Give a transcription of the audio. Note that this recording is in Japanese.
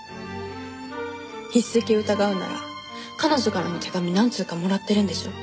筆跡を疑うなら彼女からの手紙何通かもらってるんでしょ？